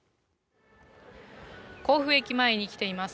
甲府駅前に来ています。